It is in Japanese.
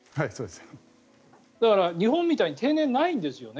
だから、日本みたいに定年がないんですよね。